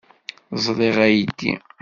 Ẓṛiɣ aydi.